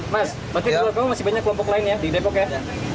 mas berarti kalau kamu masih banyak kelompok lain ya di depok ya